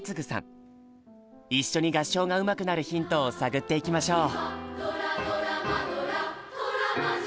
一緒に合唱がうまくなるヒントを探っていきましょう！